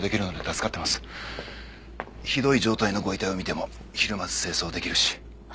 ひどい状態のご遺体を見てもひるまず清掃できるし。